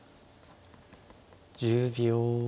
１０秒。